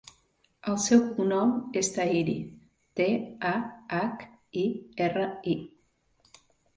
El seu cognom és Tahiri: te, a, hac, i, erra, i.